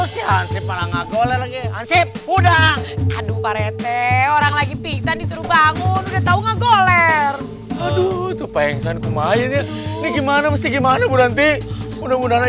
sampai jumpa di video selanjutnya